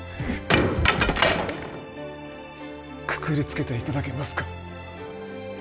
くくりつけて頂けますか？